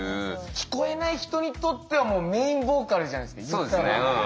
聞こえない人にとってはもうメインボーカルじゃないですか。